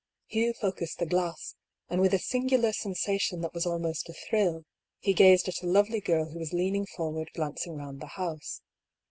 Hugh focussed the glass, and with a singular sen sation that was almost a thrill, he gazed at a lovely girl who was leaning forward glancing round the house.